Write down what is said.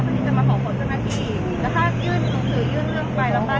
พอนี้จะมาขอขอต้นหน้าที่อีกแล้วถ้ายื่นถือยื่นเรื่องไปแล้วป้า